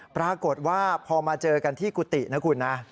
ปรากฏว่าพอมาเจอกันที่กุฏินะคุณนะ